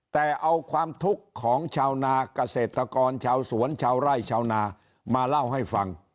แต่เอาความทุกข์ของชาวนาเกษตรกรชาวสวนชาวไร่ชาวนามาเล่าให้ฟัง